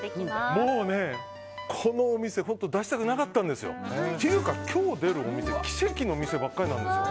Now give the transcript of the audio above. もう、このお店出したくなかったんですよ。というか、今日出るお店奇跡のお店ばかりなんです。